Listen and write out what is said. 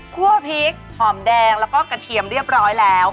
พริกหอมแดงแล้วก็กระเทียมเรียบร้อยแล้ว